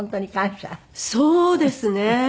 そうですね。